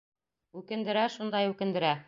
Үкендерә, шундай үкендерә.